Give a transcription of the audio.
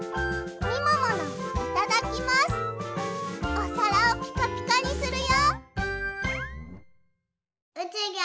おさらをピカピカにするよ。